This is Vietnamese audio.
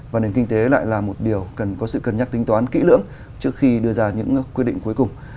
và nền kinh tế lại là một điều cần có sự cân nhắc tính toán kỹ lưỡng trước khi đưa ra những quy định cuối cùng